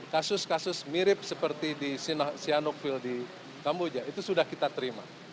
kasus kasus mirip seperti di sianovil di kamboja itu sudah kita terima